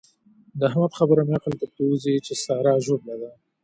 د احمد خبره مې عقل ته پرېوزي چې سارا ژوبله ده.